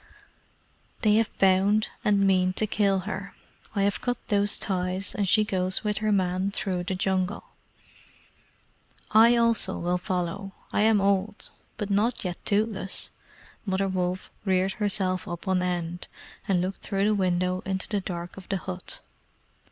"They have bound and mean to kill her. I have cut those ties, and she goes with her man through the Jungle." "I also will follow. I am old, but not yet toothless." Mother Wolf reared herself up on end, and looked through the window into the dark of the hut.